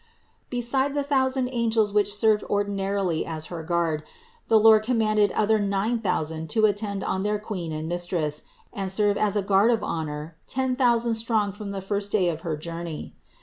Beside the thousand angels which served ordinarily as her guard, the Lord commanded other nine thousand to attend on their Queen and Mistress, and serve as a guard of honor ten thousand strong from the first day of her journey.